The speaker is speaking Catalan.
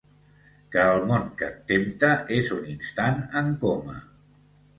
Que el món que et tempta és un instant en coma.